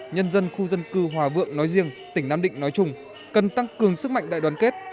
nhân dân khu dân cư hòa vượng nói riêng tỉnh nam định nói chung cần tăng cường sức mạnh đại đoàn kết